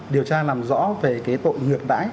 điều tra làm rõ về cái tội ngược đái